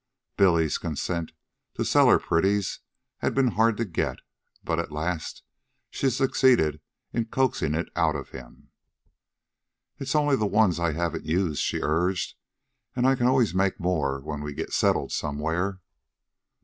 Billy's consent to sell her pretties had been hard to get, but at last she succeeded in coaxing it out of him. "It's only the ones I haven't used," she urged; "and I can always make more when we get settled somewhere."